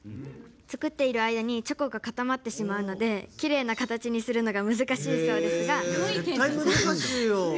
作っている間にチョコが固まってしまうのできれいな形にするのが難しそうです。